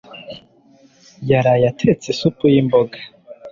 Yaraye atetse isupu yimboga